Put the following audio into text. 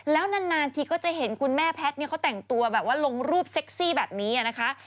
แล้วนานทีก็จะเห็นคุณแม่แพทย์เขาแต่งตัวแบบว่าลงรูปเซ็กซี่แบบนี้นะคะ